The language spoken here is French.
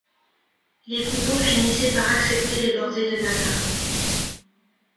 Les Coupeau finissaient par accepter les bordées de Nana.